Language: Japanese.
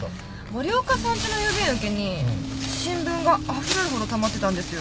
森岡さんちの郵便受けに新聞があふれるほどたまってたんですよ。